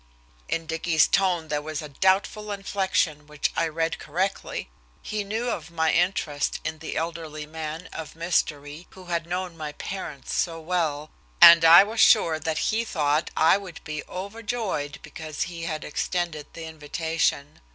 In Dicky's tone there was a doubtful inflection which I read correctly. He knew of my interest in the elderly man of mystery who had known my parents so well, and I was sure that he thought I would be overjoyed because he had extended the invitation.